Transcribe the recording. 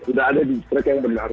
sudah ada di track yang benar